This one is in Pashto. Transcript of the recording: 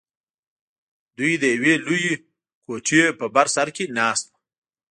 دوى د يوې لويې کوټې په بر سر کښې ناست وو.